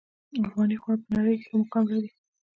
افغاني خواړه په نړۍ ښه مقام لري